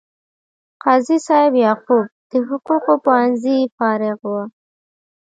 قاضي صاحب یعقوب د حقوقو پوهنځي فارغ و.